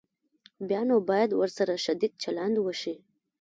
بیا نو باید ورسره شدید چلند وشي.